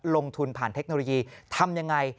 ลงทุนผ่านเทคโนโลยีทำยังไง